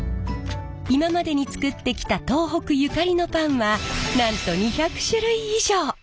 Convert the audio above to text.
今までに作ってきた東北ゆかりのパンはなんと２００種類以上！